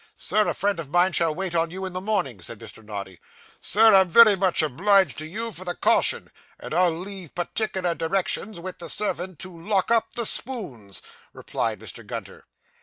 'Sir, a friend of mine shall wait on you in the morning,' said Mr. Noddy. 'Sir, I'm very much obliged to you for the caution, and I'll leave particular directions with the servant to lock up the spoons,' replied Mr. Gunter.